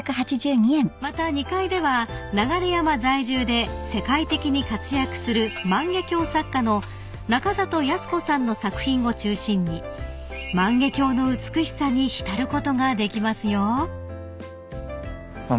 ［また２階では流山在住で世界的に活躍する万華鏡作家の中里保子さんの作品を中心に万華鏡の美しさに浸ることができますよ］